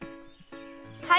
はい。